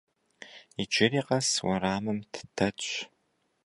Иджыри къэс уэрамым дэтщ.